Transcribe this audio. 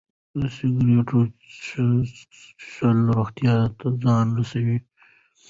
د سګرټو څښل روغتیا ته زیان رسوي.